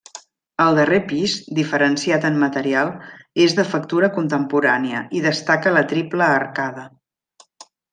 El darrer pis, diferenciat en material, és de factura contemporània i destaca la triple arcada.